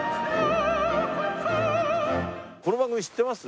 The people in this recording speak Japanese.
この番組知ってます？